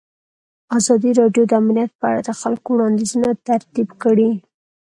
ازادي راډیو د امنیت په اړه د خلکو وړاندیزونه ترتیب کړي.